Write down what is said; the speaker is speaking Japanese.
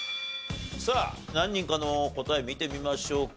さあ何人かの答え見てみましょうか。